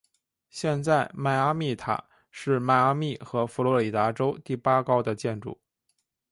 现在迈阿密塔是迈阿密和佛罗里达州第八高的建筑。